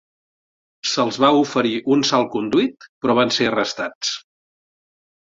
Se'ls va oferir un salconduit però van ser arrestats.